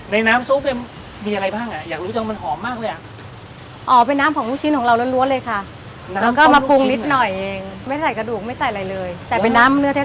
น้ำซุปเนี่ยมีอะไรบ้างอ่ะอยากรู้จังมันหอมมากเลยอ่ะ